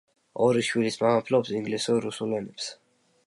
ორი შვილის მამა ფლობს ინგლისურ, რუსულ ენებს.